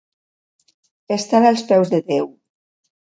Estar als peus de Déu.